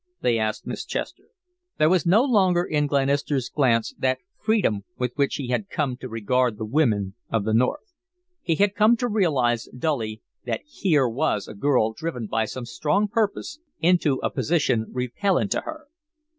they asked Miss Chester. There was no longer in Glenister's glance that freedom with which he had come to regard the women of the North. He had come to realize dully that here was a girl driven by some strong purpose into a position repellent to her.